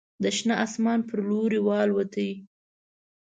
د شنه اسمان په لوري والوتې